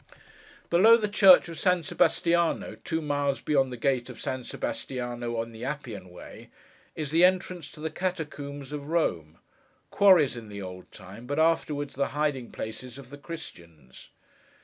Below the church of San Sebastiano, two miles beyond the gate of San Sebastiano, on the Appian Way, is the entrance to the catacombs of Rome—quarries in the old time, but afterwards the hiding places of the Christians.